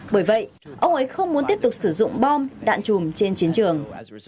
bởi vậy ông ấy không muốn tiếp tục sử dụng bom đạn chùm trên chiến trường